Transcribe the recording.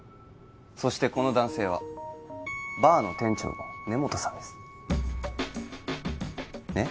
そしてこの男性はバーの店長の根元さんですねッ